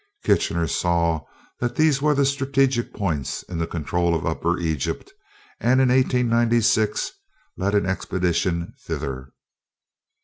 Kitchener saw that these were the strategic points in the control of Upper Egypt, and in 1896 led an expedition thither.